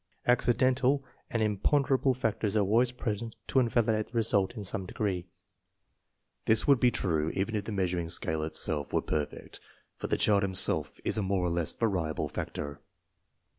" Accidental " and imponderable factors are always present to invalidate the result in some degree. This would be true even if the measuring scale itself were perfect, for the child himself is a more 138 INTELLIGENCE OF SCHOOL CHILDREN or less variable factor.